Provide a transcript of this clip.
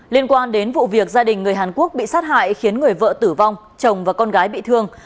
liên quan đến vụ việc gia đình người hàn quốc bị sát hại khiến người vợ tử vong chồng và con gái bị thương